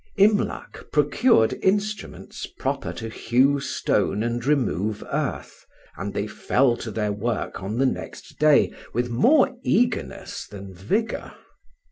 Imlac procured instruments proper to hew stone and remove earth, and they fell to their work on the next day with more eagerness than vigour.